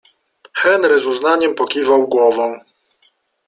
Henry z uznaniem pokiwał głową.